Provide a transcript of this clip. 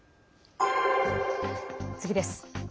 次です。